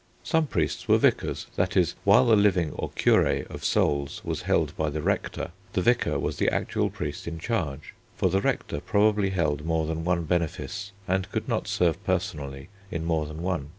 Some priests were vicars, that is, while the living or "cure" of souls was held by the rector, the vicar was the actual priest in charge, for the rector probably held more than one benefice and could not serve personally in more than one.